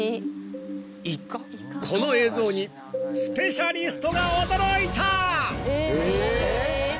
［この映像にスペシャリストが驚いた！］